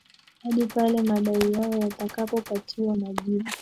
hadi pale madai yao yatakapo patiwa majibu